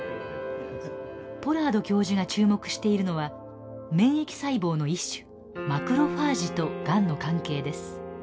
ポラード教授が注目しているのは免疫細胞の一種マクロファージとがんの関係です。